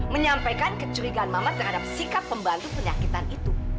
menyampaikan kecurigaan mamat terhadap sikap pembantu penyakitan itu